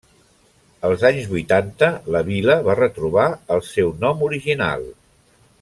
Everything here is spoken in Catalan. Els anys vuitanta la vila va retrobar el seu nom original.